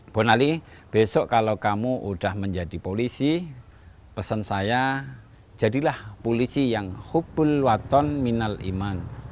boy ali besok kalau kamu sudah menjadi polisi pesan saya jadilah polisi yang hubul waton minal iman